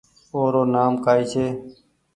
او رو نآم ڪآئي ڇي